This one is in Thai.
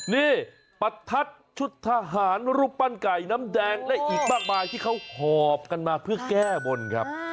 นี่ประทัดชุดทหารรูปปั้นไก่น้ำแดงและอีกมากมายที่เขาหอบกันมาเพื่อแก้บนครับ